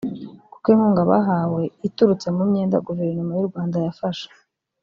kuko inkunga bahawe iturutse mu myenda Guverinoma y’u Rwanda yafashe